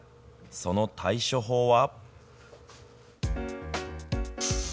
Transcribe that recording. その対処法は。